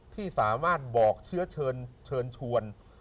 ที่สามารถบอกเชื้อเชิญชวน